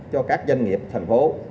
cho các doanh nghiệp thành phố